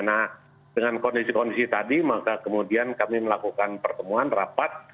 nah dengan kondisi kondisi tadi maka kemudian kami melakukan pertemuan rapat